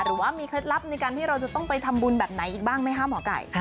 หรือว่ามีเคล็ดลับในการที่เราจะต้องไปทำบุญแบบไหนอีกบ้างไหมคะหมอไก่